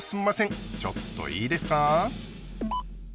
ちょっといいですか。